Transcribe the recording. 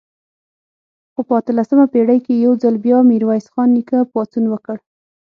خو په اتلسمه پېړۍ کې یو ځل بیا میرویس خان نیکه پاڅون وکړ.